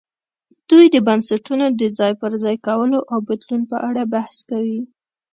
دوی د بنسټونو د ځای پر ځای کولو او بدلون په اړه بحث کوي.